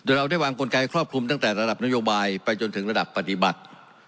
เราได้วางกลไกครอบคลุมตั้งแต่ระดับนโยบายไปจนถึงระดับปฏิบัติ